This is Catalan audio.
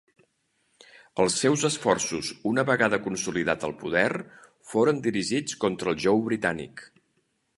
Els seus esforços una vegada consolidat al poder foren dirigits contra el jou britànic.